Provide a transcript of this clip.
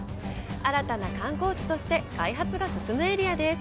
新たな観光地として開発が進むエリアです。